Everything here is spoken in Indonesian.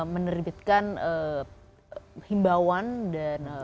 menerbitkan himbauan dan